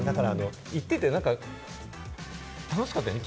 行ってて、何か楽しかったよね！